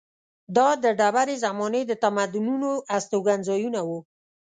دا د ډبرې زمانې د تمدنونو استوګنځایونه وو.